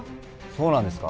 そうなんですか？